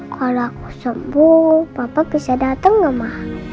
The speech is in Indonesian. kalau aku sembuh papa bisa datang gak ma